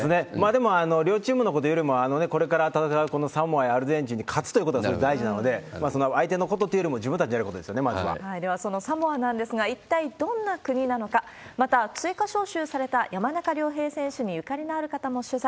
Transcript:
でも両チーム、これから戦うサモアやアルゼンチンに勝つということがすごい大事なので、その相手のことというよりも自分たちのことですよね、まではそのサモアなんですが、一体どんな国なのか、また追加招集された山中亮平選手にゆかりのある方も取材。